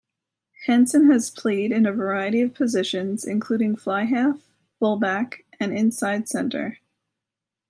Henson has played in a variety of positions including fly-half, fullback and inside centre.